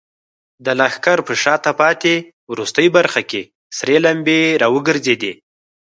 د لښکر په شاته پاتې وروستۍ برخه کې سرې لمبې راوګرځېدې.